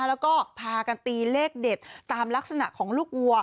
แล้วก็พากันตีเลขเด็ดตามลักษณะของลูกวัว